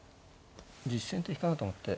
実戦的かなと思って。